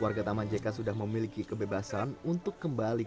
warga taman jk sudah memiliki kebebasan untuk mencari tempat latihan